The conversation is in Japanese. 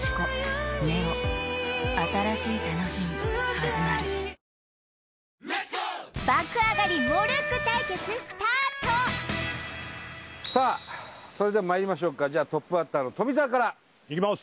開幕爆上がりさあそれではまいりましょうかじゃあトップバッターの富澤からいきます